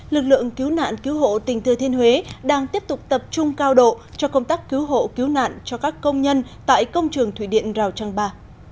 lực lượng cứu nạn cứu hộ tỉnh thừa thiên huế đang tiếp tục tập trung cao độ cho công tác cứu hộ cứu nạn cho các công nhân tại công trường thủy điện rào trăng ba